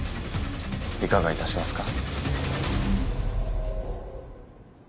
いかがいたしますか？